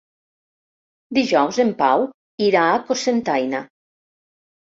Dijous en Pau irà a Cocentaina.